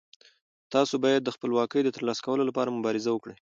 تاسو باید د خپلواکۍ د ترلاسه کولو لپاره مبارزه وکړئ.